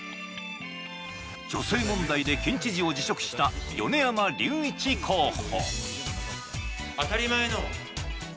女性問題で県知事を辞職した米山隆一候補。